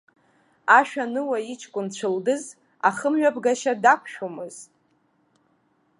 Ашәануа иҷкәын цәылдыз ахымҩаԥгашьа дақәшәомызт.